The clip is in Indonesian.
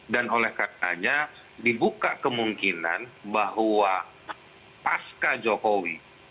dan oleh katanya dibuka kemungkinan bahwa pasca jokowi